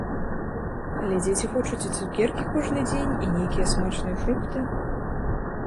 Але дзеці хочуць і цукеркі кожны дзень, і нейкія смачныя фрукты.